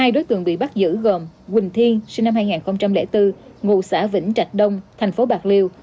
hai đối tượng bị bắt giữ gồm quỳnh thiên sinh năm hai nghìn bốn ngụ xã vĩnh trạch đông thành phố bạc liêu